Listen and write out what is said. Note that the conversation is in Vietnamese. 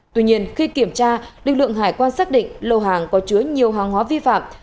tuy nhiên khi kiểm tra lực lượng hải quan xác định lô hàng có chứa nhiều hàng hóa vi phạm